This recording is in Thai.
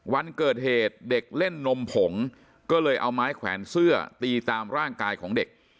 วันเกิดเหตุเด็กเล่นนมผงก็เลยเอาไม้แขวนเสื้อตีตามร่างกายของเด็ก